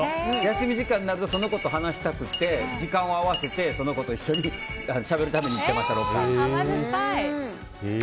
休み時間になるとその子と話したくて時間を合わせてその子と一緒にしゃべるために行ってました、ロッカーに。